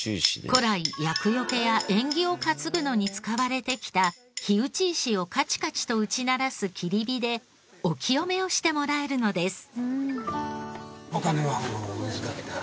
古来厄よけや縁起を担ぐのに使われてきた火打ち石をカチカチと打ち鳴らす切り火でお清めをしてもらえるのです。